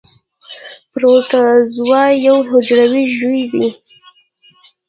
پروټوزوا یو حجروي ژوي دي